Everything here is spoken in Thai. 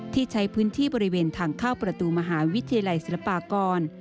ที่ใช้พื้นที่บริเวณทางเข้าประตูมหาวิทยาลัยศิลปากร